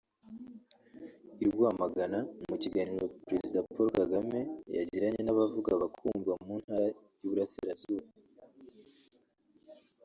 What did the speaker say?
I Rwamagana – Mu kiganiro Perezida Paul Kagame yagiranye n’abavuga bakumvwa mu Ntara y’Uburasirazuba